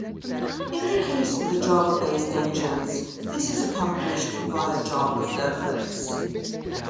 In the case of the Java-based engines this is accomplished via Java servlets.